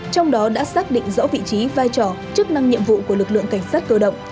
trong đó đã xác định rõ vị trí vai trò chức năng nhiệm vụ của lực lượng cảnh sát cơ động